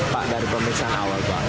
pak dari pemeriksaan awal pak